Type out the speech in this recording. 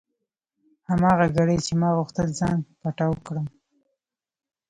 هماغه ګړۍ چې ما غوښتل ځان پټاو کړم.